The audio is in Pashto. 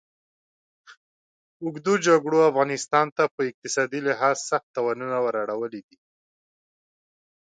اوږدو جګړو افغانستان ته په اقتصادي لحاظ سخت تاوانونه ور اړولي دي.